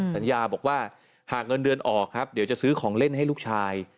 สัญญาบอกว่าหากเงินเดือนออกครับเดี๋ยวจะซื้อของเล่นให้ลูกชาย